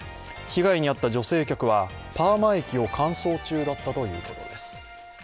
被害に遭った女性客は、パーマ液を乾燥中だったということです。